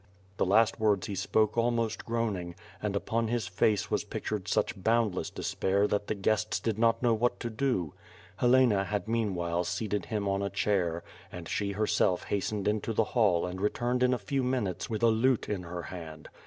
The last words he spoke almost groaning, and upon hi? face was pictured such boundless despair that the guests did not know what to do. Helena had meanwhile seated him on a chair, and she herrself hastened into the hall and re turned in a few minutes with a lute in her hand.